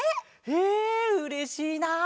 へえうれしいな！